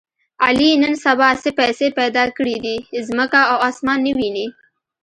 علي نن سبا څه پیسې پیدا کړې دي، ځمکه او اسمان نه ویني.